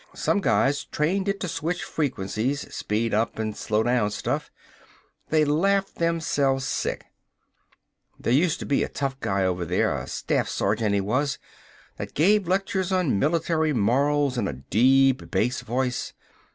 Some guys trained it to switch frequencies speed up and slow down stuff. They laughed themselves sick! There used to be a tough guy over there, a staff sergeant, he was that gave lectures on military morals in a deep bass voice.